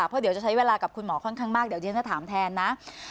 เพราะเดี๋ยวจะใช้เวลากับคุณหมอค่อนข้างมากเดี๋ยวที่ฉันจะถามแทนนะ